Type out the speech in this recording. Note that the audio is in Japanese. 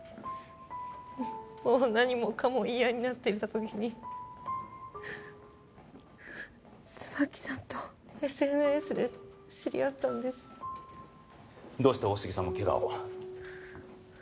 もう何もかも嫌になっていた時に椿さんとＳＮＳで知り合ったんですどうして大杉さんもけがを？